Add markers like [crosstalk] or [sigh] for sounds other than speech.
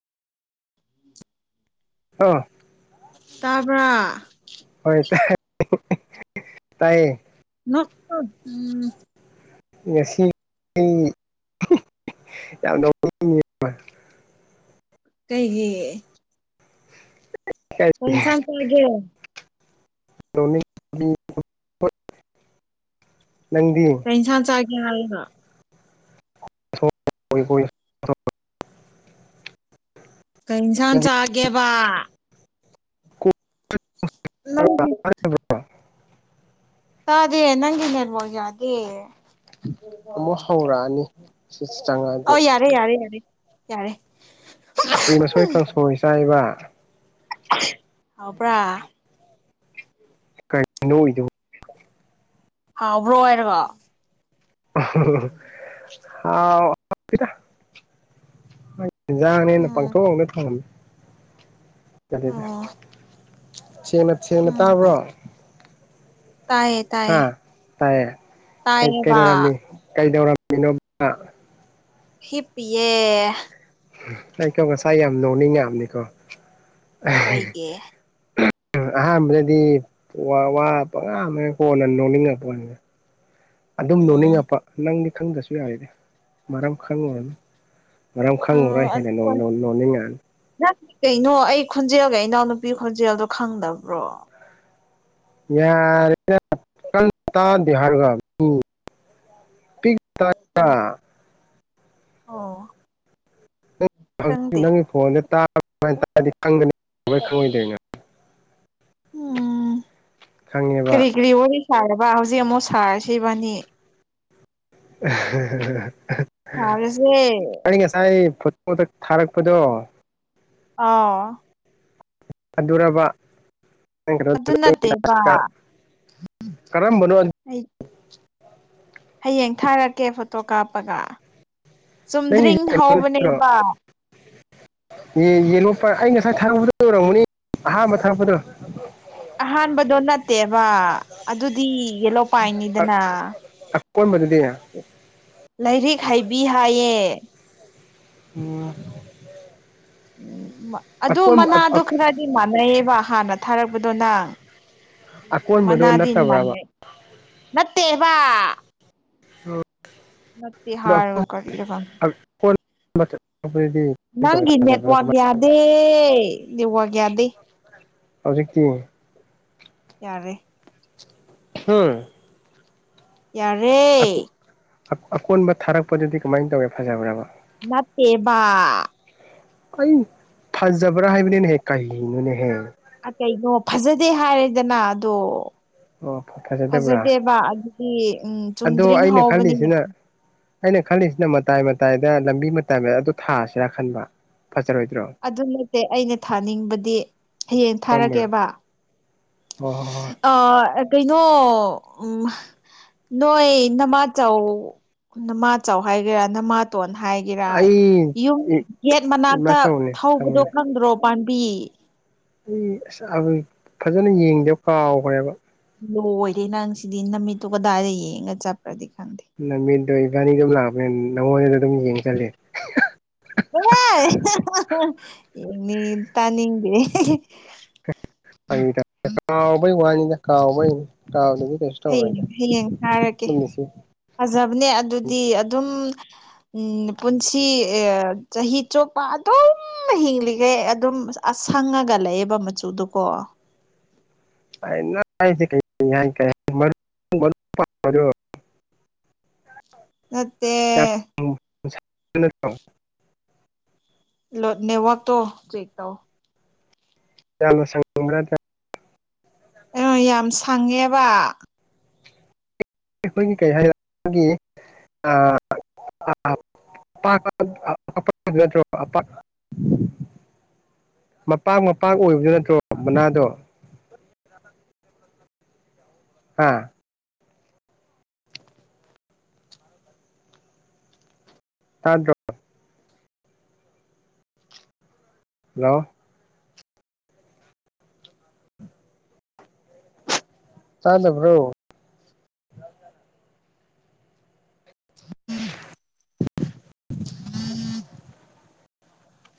ꯑꯥ ꯑꯕ ꯇꯥꯏꯌꯦ ꯎꯝ ꯉꯁꯤ ꯑꯩ ꯌꯥꯝ ꯅꯉ ꯌꯦ ꯀꯩꯒꯤ ꯀꯟꯁꯥꯟꯁꯒꯦ [unintelligible] ꯀ ꯏꯟꯁꯥꯟ ꯆꯥꯒꯦ ꯍ [unintelligible] ꯀꯩ ꯏꯟꯁꯥꯟ ꯆꯥꯒꯦꯕ ꯃꯪꯗꯤ ꯇꯗꯦ ꯅꯪꯦꯅꯦꯜꯕꯣ ꯌꯥꯗꯦ ꯑꯃꯨꯛ ꯍꯧꯔꯛꯑꯅꯤ ꯁꯤ ꯑ ꯆꯪꯉꯛꯑꯗꯤ ꯌꯥꯔꯦ ꯌꯥꯔꯦ ꯌꯥꯔꯦ ꯌꯥꯔꯦ ꯀꯨꯏꯅ ꯁꯣꯏꯀꯪ ꯁ ꯆ ꯍꯥꯏꯕ ꯍꯥꯎꯕ꯭ꯔꯥ ꯀꯔꯤꯅꯣꯗꯣ ꯍꯥꯎ ꯕ꯭ꯔꯣ ꯍꯥꯏꯔꯒ [inaudible] ꯦꯟꯖꯥꯡꯅꯤ ꯅꯨ ꯎꯝ ꯄꯥꯡꯊꯣꯡꯅ ꯊꯥꯡ ꯆꯂꯗ ꯑꯣ ꯅ ꯆꯦꯅ ꯎꯝ ꯇꯥꯕ꯭ꯔꯣ ꯇꯥꯏꯌꯦ ꯍꯥ ꯇꯥꯏꯌꯦ ꯇꯥꯏꯌꯦ ꯇꯥꯏꯌꯦꯕ ꯀꯩꯗꯧꯔꯝꯃꯤ ꯀꯩꯗꯧꯔꯝꯃꯤꯅꯣꯕ ꯍꯤꯄꯦ ꯑꯩꯀꯣ ꯉꯁꯥꯏ ꯌꯥꯝ ꯅꯣꯛꯅꯤꯡ ꯌꯥꯝꯅꯤꯀꯣ ꯀꯩꯒꯤ ꯎ ꯑꯍꯥꯟꯕꯗꯗꯤ ꯄꯥꯃꯦ ꯀꯣꯟꯅ ꯅꯣꯡꯅꯤꯡꯉꯛꯄꯅꯦ ꯑꯗꯨꯝ ꯎꯝ ꯅꯣꯅꯤꯡꯉꯛꯄ ꯅꯪꯗꯤ ꯈꯪꯗꯁꯨ ꯌꯥꯔꯤꯔꯦ ꯃꯔꯝ ꯈꯪꯉꯨꯔꯅꯨ ꯃꯔꯝ ꯈꯪ ꯑꯣ ꯔꯥꯏ ꯍꯦꯜꯅ ꯅꯣꯅꯤꯡꯉꯥꯟ ꯅꯪꯗꯤ ꯀꯩꯅꯣ ꯑꯩ ꯈꯣꯟꯖꯦꯜꯒ ꯏꯅꯥꯎꯅꯨꯄꯤ ꯈꯣꯟꯖꯦꯜꯗꯣ ꯈꯪꯗꯕ꯭ꯔꯣ ꯗꯤꯔꯒꯝ [inaudible] ꯎꯝ ꯑꯣ ꯍꯧꯖꯤ ꯈꯪꯗꯦ ꯅꯪꯒꯤ ꯐꯣꯟꯁ ꯇꯥ ꯇꯗꯤꯅꯤ ꯈꯪꯉꯣꯏꯗꯦ ꯎꯝ ꯈꯪꯉꯦꯕ ꯀꯔꯤ ꯀꯔꯤ ꯑꯣꯗꯤ ꯁꯔ ꯕꯥ ꯍꯧꯖꯤꯛ ꯑꯃꯨ ꯁꯥꯔꯁꯕꯥꯅꯤ ꯁꯥꯔꯁꯦ ꯅꯤꯡ ꯁꯥꯏ ꯄꯗꯛ ꯊꯥꯔꯛꯄꯗꯣ ꯑꯥ ꯑꯗꯨꯔꯕ ꯅꯪ ꯑꯗꯨ ꯀꯩꯅꯣ ꯅꯠꯇꯦꯕ ꯀꯔꯝꯕꯅꯣ ꯑꯩ ꯍꯌꯦꯡ ꯊꯥꯔꯛꯀꯦ ꯐꯣꯇꯣ ꯀꯥꯞꯄꯒ ꯅꯪꯒꯤꯁꯤ ꯆꯨꯝꯗ꯭ꯔꯤꯡ ꯀꯩꯅꯣ ꯍꯧꯕꯅꯦꯕ ꯌꯦꯉꯣ ꯑꯩ ꯉꯁꯥꯏ ꯊꯥꯔꯗ ꯔꯥꯎ ꯃꯅꯤ ꯑꯍ ꯍꯝꯕ ꯊꯥꯡꯄꯗꯣ ꯑꯍꯥꯟꯕꯗꯣ ꯅꯠꯇꯦꯕ ꯑꯗꯨꯗꯤ ꯌꯦꯂꯣꯄꯥꯏꯅꯤꯗꯅ ꯑꯀꯣꯟꯕꯗꯨꯗꯤ ꯂꯥꯏꯔꯤꯛ ꯍꯩꯕꯤ ꯍꯥꯏꯌꯦ ꯑ ꯎꯝ ꯑꯗꯨ ꯃꯅꯥꯗꯣ ꯈꯔꯗꯤ ꯃꯥꯟꯅꯩꯌꯦꯕ ꯍꯥꯟꯅ ꯊꯥꯔꯛꯄ ꯗꯣꯅꯪ ꯑꯀꯣꯟꯕꯗꯣ ꯅꯠꯇꯕ꯭ꯔꯕ ꯃꯅꯥꯗꯤꯟꯅꯦꯠ ꯇꯦꯕꯥ ꯅ ꯍꯥꯔꯒ ꯀꯔꯤꯔꯀ ꯃ ꯅꯪꯒꯤ ꯅꯦꯠꯋꯥꯛ ꯌꯥꯗꯦ ꯅꯦꯋꯥꯛ ꯌꯥꯗꯦ ꯍꯧꯖꯤꯀꯤ ꯌꯥꯔꯦ ꯎꯝ ꯌꯥꯔꯦ ꯑꯀꯣꯟꯕ ꯊꯥꯔꯛꯄꯗꯨꯗꯤ ꯀꯃꯥꯏꯅ ꯇꯧꯋꯦ ꯐꯖꯕ꯭ꯔꯕ ꯅꯠꯇꯦꯕꯕꯥ ꯑꯩ ꯐꯥꯖꯕ꯭ꯔꯥ ꯍꯥꯏꯕꯅꯦꯅꯍꯦ ꯀꯥꯅꯅꯦꯍꯦ ꯀꯩꯅꯣ ꯐꯖꯗꯦ ꯍꯥꯏꯔꯦꯗꯅ ꯑꯗꯣ ꯑꯣ ꯐꯖꯗꯕ꯭ꯔꯥ ꯐꯖꯗꯦꯕ ꯑꯗꯨꯗꯤ ꯎꯝ ꯑꯗꯣ ꯆꯨꯝꯗ꯭ꯔꯤꯡ ꯑꯩꯅ ꯍꯥꯎꯕꯅꯤ ꯈꯜꯂꯤꯁꯤꯅ ꯑꯩꯅ ꯈꯜꯂꯤꯁꯤꯅ ꯃꯇꯥꯏ ꯃꯇꯥꯏꯗ ꯂꯝꯕꯤ ꯃꯇꯥꯏ ꯑꯗꯨ ꯊꯥꯁꯤꯔꯥ ꯈꯟꯕ ꯐꯖꯔꯣꯏꯗ꯭ꯔꯣ ꯑꯗꯨ ꯅꯠꯇꯦ ꯑꯩꯅ ꯊꯥꯅꯤꯡꯕꯗꯤ ꯍꯌꯦꯡ ꯀꯔꯝꯕꯅꯣ ꯊꯥꯔꯒꯦꯕ ꯍꯣꯏ ꯍꯣꯏ ꯍꯣꯏ ꯑ ꯀꯩꯅꯣ ꯎ ꯅꯣꯏ ꯅꯃꯥ ꯆꯥꯎꯧ ꯅꯃꯥ ꯆꯥꯎ ꯍꯥꯏꯒꯦꯔꯥ ꯅꯃꯥ ꯇꯣꯟ ꯍꯥꯏꯒꯦꯔ ꯑꯩ ꯌꯨꯝ ꯒꯦꯠ ꯃꯅꯥꯛꯇ ꯏꯃꯥꯆꯧꯅꯦ ꯊꯧꯕꯗꯣ ꯈꯪꯕꯅꯦ ꯈꯪꯗ꯭ꯔꯣ ꯄꯕꯤ ꯑꯩ ꯑꯁ ꯐꯖꯅ ꯌꯦꯡꯗꯦꯕ ꯀꯥꯎꯈ꯭ꯔꯦꯕ ꯂꯣꯏꯔꯦ ꯅꯪ ꯁꯤꯗꯤ ꯅꯨꯃꯤꯠꯇꯨ ꯀꯗꯥꯏꯗ ꯌꯦꯡꯉꯒ ꯆꯠꯄ꯭ꯔꯗꯤ ꯈꯪꯉꯦ ꯅꯨꯃꯤꯠꯇꯣ ꯏꯕꯥꯅꯤꯗ ꯑꯗꯨꯝ ꯂꯥꯛꯄꯅꯦ ꯅꯪꯉꯣꯟꯗꯗ ꯑꯗꯨꯝ ꯌꯦꯡꯁꯜꯂ ꯍꯅꯤꯇꯅꯤꯒꯦ ꯑꯩ ꯀꯥꯎꯑꯣ ꯋꯥꯅꯤꯗ ꯀꯥꯎꯑꯣ ꯍꯌꯦꯡ ꯍꯌꯦꯡ ꯍꯥꯏꯔꯛꯀꯦ ꯑꯗꯨꯝ ꯅꯤꯡꯁꯤꯡ ꯐꯖꯕꯅꯦ ꯑꯗꯨꯗꯤ ꯑꯗꯨꯝ ꯎꯝ ꯄꯨꯟꯁꯤ ꯆꯍꯤ ꯆꯨꯞꯄ ꯑꯗꯨꯝ ꯍꯤꯡꯂꯤꯈꯩ ꯑꯗꯨꯝ ꯑꯁꯪꯉꯒ ꯂꯩꯑꯦꯕ ꯃꯆꯨꯗꯨꯀꯣ ꯁꯤ ꯀ ꯅꯠꯇꯦ ꯁ ꯊ ꯂ ꯅ ꯋꯥ ꯇꯣ ꯆꯦ ꯇ ꯆꯂ ꯁꯒ꯭ꯔ ꯑ ꯌꯥꯝ ꯁꯪꯉꯦꯕ ꯑꯩꯈꯣꯏꯒꯤ ꯀꯩ ꯍꯥꯏꯒꯤ [unintelligible] ꯃꯄꯥꯛ ꯃꯄꯥꯛ ꯑꯣꯏꯕꯗꯨ ꯅꯠꯇ꯭ꯔꯣ ꯃꯅꯥꯗꯣ ꯍꯥꯥ ꯇꯥ ꯗ꯭ꯔ ꯍꯣ ꯇꯥꯗꯕ꯭ꯔꯣ